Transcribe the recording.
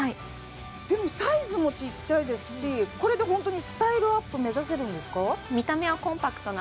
でもサイズもちっちゃいですしこれで本当にスタイルアップ目指せるんですか？